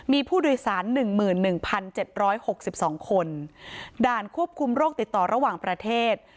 มีผู้โดยสารหนึ่งหมื่นหนึ่งพันเจ็ดร้อยหกสิบสองคนด่านควบคุมโรคติดต่อระหว่างประเทศ